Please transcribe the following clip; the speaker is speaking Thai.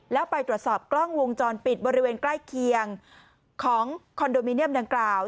แล้วไปตรวจสอบกล้องวงจรปิดบริเวณใกล้เคียงของคอนโดมิเนียมดังกล่าว